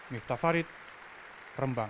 miftah farid rembang